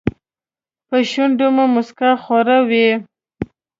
په شونډو مو موسکا خوره وي .